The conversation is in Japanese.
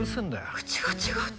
口が違うって？